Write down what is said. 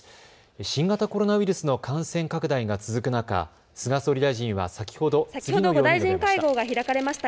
新型コロナウイルスの感染拡大が続く中、菅総理大臣は先ほど次のように述べました。